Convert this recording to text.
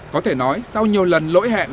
có thể nói sau nhiều lần lỗi hẹn